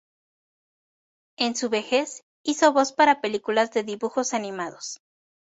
En su vejez hizo voz para películas de dibujos animados.